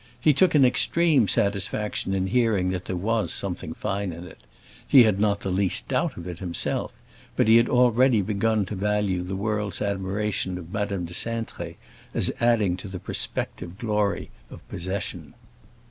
He took an extreme satisfaction in hearing that there was something fine in it. He had not the least doubt of it himself, but he had already begun to value the world's admiration of Madame de Cintré, as adding to the prospective glory of possession.